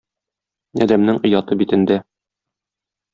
Адәмнең ояты битендә.